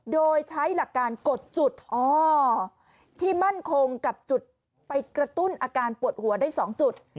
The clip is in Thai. โดยใช้หลักการกดจุดอ๋อที่มั่นคงกับจุดไปกระตุ้นอาการปวดหัวได้๒จุด